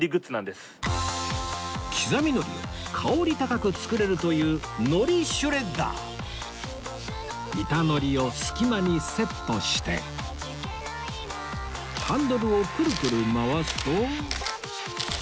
刻みのりを香り高く作れるという板のりを隙間にセットしてハンドルをクルクル回すと